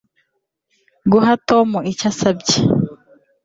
Guha Tom icyo asabye